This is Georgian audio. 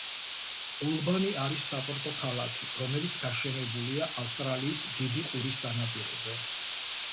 ოლბანი არის საპორტო ქალაქი, რომელიც გაშენებულია ავსტრალიის დიდი ყურის სანაპიროზე.